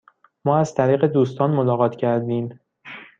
ما از طریق دوستان ملاقات کردیم.